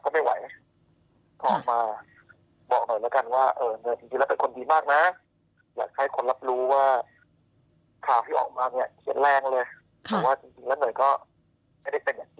แต่ว่าจริงแล้วเนยก็ไม่ได้เป็นอย่างที่ข่าวว่าหรอก